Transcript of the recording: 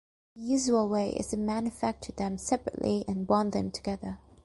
The usual way is to manufacture them separately and bond them together.